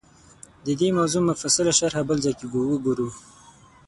دې موضوع مفصله شرحه بل ځای کې وګورو